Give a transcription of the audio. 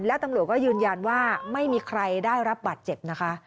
และตำรวจก็ยืนยันว่าไม่มีใครได้รับบาดเจ็บนะคะ